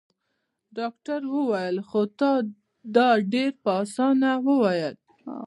ډاکټر وويل تا خو دا ډېر په اسانه وويل.